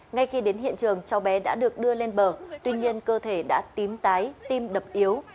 ngay khi đến hiện trường cháu bé đã được đưa lên bờ tuy nhiên cơ thể đã tím tái tim đập yếu